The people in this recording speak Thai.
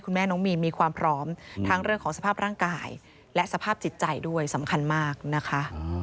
แม่น้องมีนมีความพร้อมทั้งเรื่องของสภาพร่างกายและสภาพจิตใจด้วยสำคัญมากนะคะ